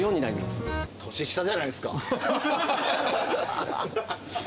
年下じゃないですか。